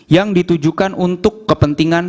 yang ditujukan untuk kepentingan